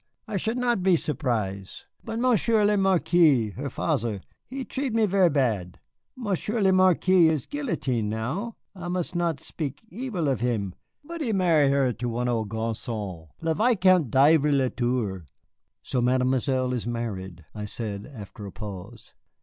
I should not be surprise'. But Monsieur le Marquis, her father, he trit me ver' bad. Monsieur le Marquis is guillotine' now, I mus' not spik evil of him, but he marry her to one ol' garçon, Le Vicomte d'Ivry le Tour." "So Mademoiselle is married," I said after a pause.